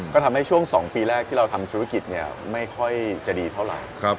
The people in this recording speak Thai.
ก็ทำให้ช่วง๒ปีแรกที่เราทำธุรกิจไม่ค่อยจะดีเท่าไหร่